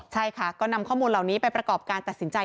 ใช่ค่ะก็นำข้อมูลเหล่านี้ไปประกอบการตัดสินใจ